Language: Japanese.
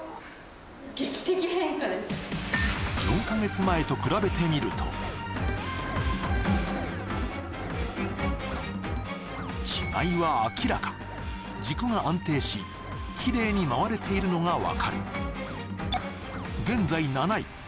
４か月前と比べてみると違いは明らか軸が安定しキレイに回れているのが分かる現在７位